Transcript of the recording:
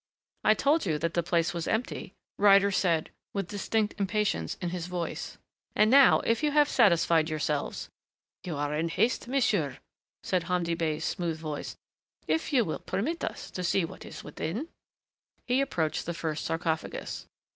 "I told you that the place was empty," Ryder said with distinct impatience in his voice. "And now, if you have satisfied yourselves " "You are in haste, monsieur," said Hamdi Bey's smooth voice. "If you will permit us to see what is within " He approached the first sarcophagus.